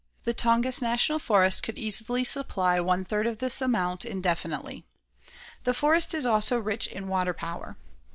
The Tongass National Forest could easily supply one third of this amount indefinitely. This forest is also rich in water power.